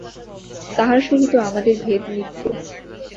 তাঁহার সহিত আমাদের ভেদ নিত্য।